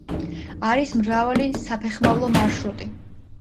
არის მრავალი საფეხმავლო მარშრუტი.